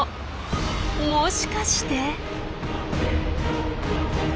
もしかして？